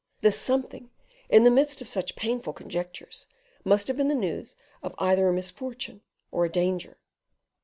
This something in the midst of such painful conjectures must have been the news of either a misfortune or a danger.